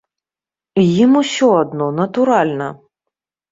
Ім усё адно, натуральна!